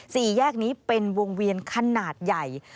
สี่แยกนี้เป็นวงเวียนขนาดใหญ่